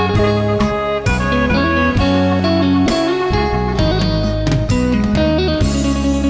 ท่องเนื้ออยู่